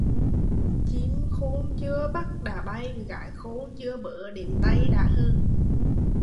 Chim khôn chưa bắt đã bay, gái khôn chưa bớ đến tay đã hờn